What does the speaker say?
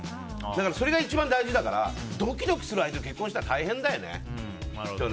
それが一番大事だからドキドキする相手と結婚したら大変だよね。